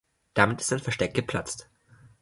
Damit ist sein Versteck geplatzt.